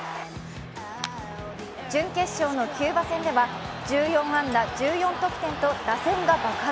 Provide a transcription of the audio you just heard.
準決勝のキューバ戦では１４安打１４得点と打線が爆発。